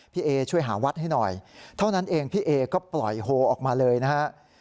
เอช่วยหาวัดให้หน่อยเท่านั้นเองพี่เอก็ปล่อยโฮออกมาเลยนะฮะ